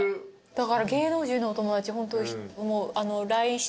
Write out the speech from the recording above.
だから芸能人のお友達ホント。